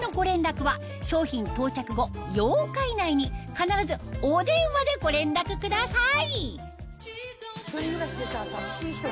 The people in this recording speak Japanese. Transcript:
必ずお電話でご連絡ください